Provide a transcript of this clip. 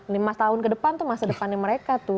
lima tahun ke depan tuh masa depannya mereka tuh